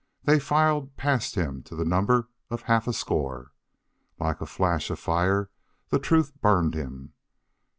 They filed past him to the number of half a score. Like a flash of fire the truth burned him.